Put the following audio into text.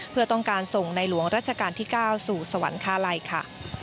เพื่อต้องการส่งในหลวงราชการที่๙สู่สวรรคาลัยค่ะ